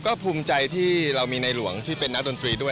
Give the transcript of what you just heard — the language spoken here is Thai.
ก็ภูมิใจที่เรามีในหลวงที่เป็นนักดนตรีด้วย